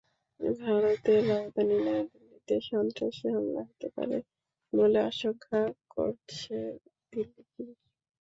ভারতের রাজধানী নয়াদিল্লিতে সন্ত্রাসী হামলা হতে পারে বলে আশঙ্কা করছে দিল্লি পুলিশ।